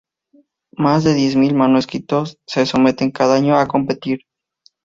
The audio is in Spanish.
Más de mil manuscritos se someten cada año a competir.